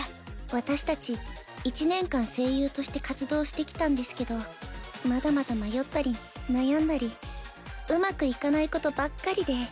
私たち１年間声優として活動してきたんですけどまだまだ迷ったり悩んだりうまくいかないことばっかりで。